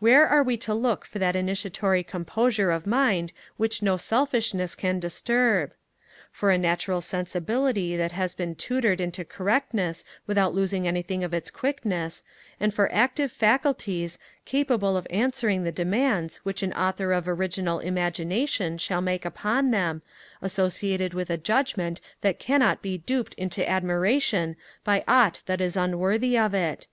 Where are we to look for that initiatory composure of mind which no selfishness can disturb? For a natural sensibility that has been tutored into correctness without losing anything of its quickness; and for active faculties, capable of answering the demands which an Author of original imagination shall make upon them, associated with a judgement that cannot he duped into admiration by aught that is unworthy of it?